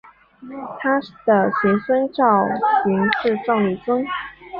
他的玄孙赵昀是宋理宗。